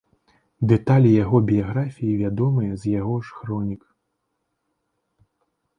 Дэталі яго біяграфіі вядомыя з яго ж хронік.